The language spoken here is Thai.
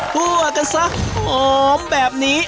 พวกกันซะอ๋อแบบนี้